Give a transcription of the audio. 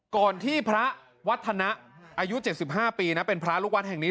ก่อนที่พระวัฒนะอายุ๗๕ปีนะเป็นพระลูกวัดแห่งนี้